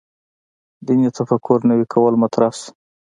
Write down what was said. دیني تفکر نوي کول مطرح شو.